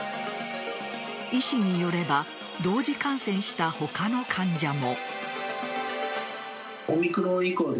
医師によれば同時感染した他の患者も。